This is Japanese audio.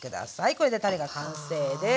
これでたれが完成です。